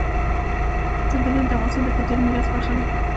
ځنګلونه د افغانستان د کلتوري میراث برخه ده.